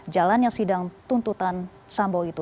jalannya sidang tuntutan sambo itu